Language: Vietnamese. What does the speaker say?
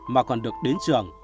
mà còn được đến trường